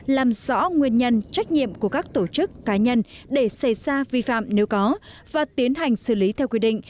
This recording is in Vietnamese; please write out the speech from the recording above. làm rõ nguyên nhân trách nhiệm của các tổ chức cá nhân để xảy ra vi phạm nếu có và tiến hành xử lý theo quy định